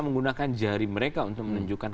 menggunakan jari mereka untuk menunjukkan